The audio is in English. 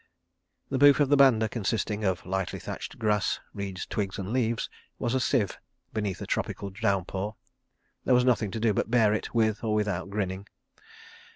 The roof of the banda consisting of lightly thatched grass, reeds, twigs, and leaves, was as a sieve beneath the tropical downpour. There was nothing to do but to bear it, with or without grinning.